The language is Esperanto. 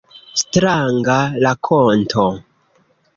Stranga rakonto.